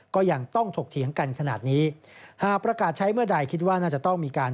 ก็ยังต้องถกเถียงกันขนาดนี้หากประกาศใช้เมื่อใดคิดว่าน่าจะต้องมีการ